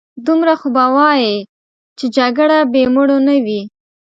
دومره خو به وايې چې جګړه بې مړو نه وي.